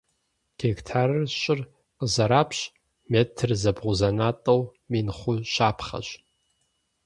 Гектарыр щӏыр къызэрапщ, метр зэбгъузэнатӏэу мин хъу щапхъэщ.